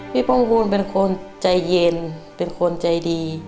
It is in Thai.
พ่องบูลเป็นคนใจเย็นเป็นคนใจดี